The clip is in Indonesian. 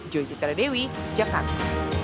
joji teradewi jakarta